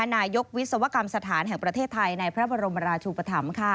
นายกวิศวกรรมสถานแห่งประเทศไทยในพระบรมราชุปธรรม